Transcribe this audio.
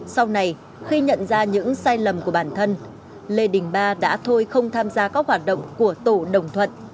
sau này khi nhận ra những sai lầm của bản thân lê đình ba đã thôi không tham gia các hoạt động của tổ đồng thuận